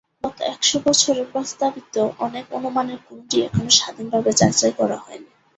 গত একশ বছরে প্রস্তাবিত অনেক অনুমানের কোনটিই এখনো স্বাধীনভাবে যাচাই করা হয়নি।